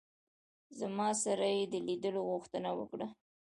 زما سره یې د لیدلو غوښتنه وکړه.